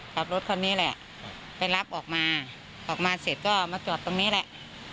ขับรถคันนี้แหละไปรับออกมาออกมาเสร็จก็มาจอดตรงนี้แหละ